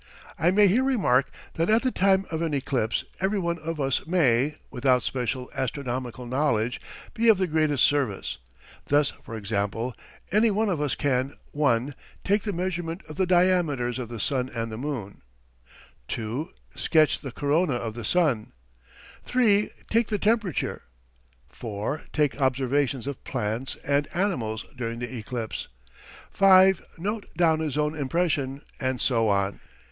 I may here remark that at the time of an eclipse every one of us may, without special astronomical knowledge, be of the greatest service. Thus, for example, anyone of us can (1) take the measurement of the diameters of the sun and the moon; (2) sketch the corona of the sun; (3) take the temperature; (4) take observations of plants and animals during the eclipse; (5) note down his own impressions, and so on.